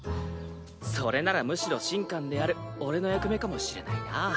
それならむしろ神官である俺の役目かもしれないなぁ。